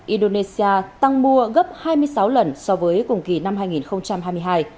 indonesia tăng mua gấp hai mươi sáu lần so với cùng kỳ năm hai nghìn hai mươi hai